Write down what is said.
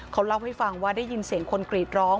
เขาเล่าให้ฟังว่าได้ยินเสียงคนกรีดร้อง